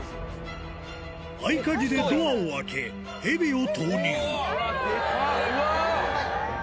合鍵でドアを開け、ヘビを投入。